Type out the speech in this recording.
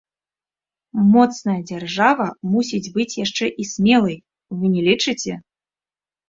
Моцная дзяржава мусіць быць яшчэ і смелай, вы не лічыце?